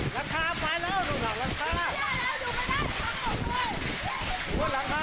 รังคาฝายแล้วลงข้างรังคายากแล้วอยู่กันได้ครับผมเลย